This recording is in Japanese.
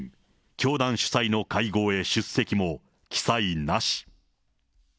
教団主催の会合へ出席も、記載なし。